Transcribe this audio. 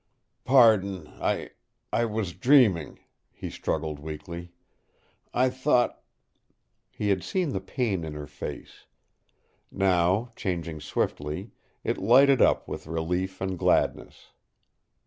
"Pardon I I was dreaming," he struggled weakly. "I thought " He had seen the pain in her face. Now, changing swiftly, it lighted up with relief and gladness.